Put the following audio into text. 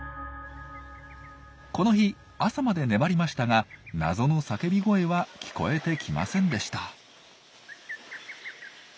この日朝まで粘りましたが謎の叫び声は聞こえてきませんでした。